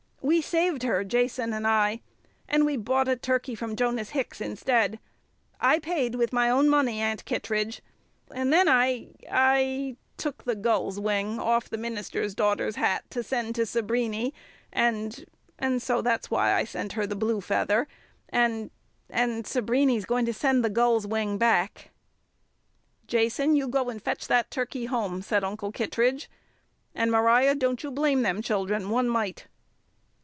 We saved her Jason and I and we bought a turkey of Jonas Hicks instead. I paid with my own money, Aunt Kittredge! And then I I took the gull's wing off the minister's daughter's hat to send to Sabriny, and and so that's why I sent her the blue feather, and and Sabriny's going to send the gull's wing back " "Jason, you go and fetch that turkey home!" said Uncle Kittredge. "And, Maria, don't you blame them children one mite!"